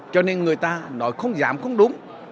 cho nên người ta nói không dám không đúng